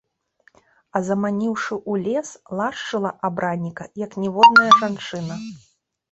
А заманіўшы ў лес, лашчыла абранніка, як ніводная жанчына.